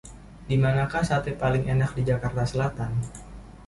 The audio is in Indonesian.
Dimanakah sate paling enak di Jakarta Selatan?